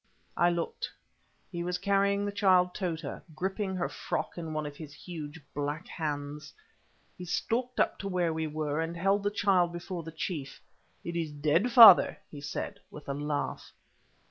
I looked; he was carrying the child Tota, gripping her frock in one of his huge black hands. He stalked up to where we were, and held the child before the chief. "Is it dead, father?" he said, with a laugh.